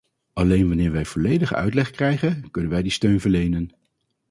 Alleen wanneer wij volledige uitleg krijgen, kunnen wij die steun verlenen.